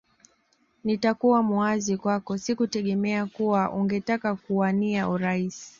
Nitakuwa muwazi kwako sikutegemea kuwa ungetaka kuwania urais